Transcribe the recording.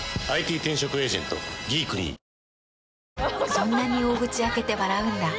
そんなに大口開けて笑うんだ。